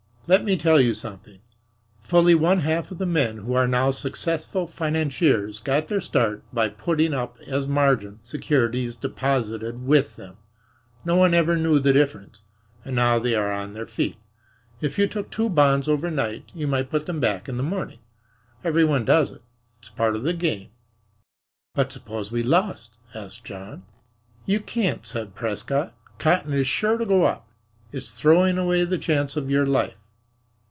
Let me tell you something. Fully one half of the men who are now successful financiers got their start by putting up as margin securities deposited with them. No one ever knew the difference, and now they are on their feet. If you took two bonds overnight you might put them back in the morning. Every one does it. It's part of the game." "But suppose we lost?" asked John. "You can't," said Prescott. "Cotton is sure to go up. It's throwing away the chance of your life."